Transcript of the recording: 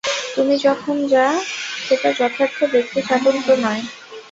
তুমি এখন যা, সেটা যথার্থ ব্যক্তিস্বাতন্ত্র্য নয়।